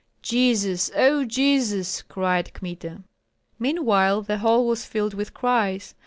"Jesus! O Jesus!" cried Kmita. Meanwhile the hall was filled with cries.